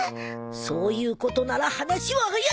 そういうことなら話は早い。